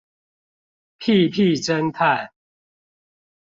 屁屁偵探